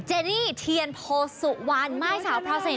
เจนี่เทียนโพสต์สุวรรณม้ายสาวพราสนิท